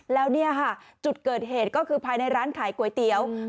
แล้วเนี่ยค่ะจุดเกิดเหตุก็คือภายในร้านขายก๋วยเตี๋ยว